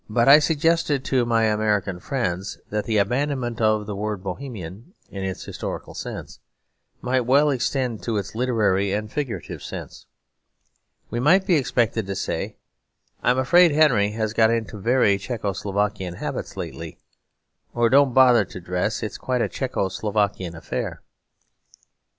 I suggested to my American friends that the abandonment of the word Bohemian in its historical sense might well extend to its literary and figurative sense. We might be expected to say, 'I'm afraid Henry has got into very Czecho Slovakian habits lately,' or 'Don't bother to dress; it's quite a Czecho Slovakian affair.'